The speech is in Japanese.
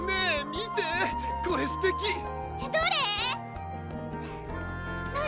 見てこれすてきどれ？何？